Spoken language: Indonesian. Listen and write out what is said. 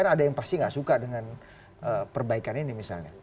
ada yang pasti gak suka dengan perbaikan ini misalnya